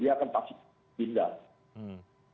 dia akan pasti pindah